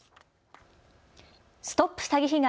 ＳＴＯＰ詐欺被害！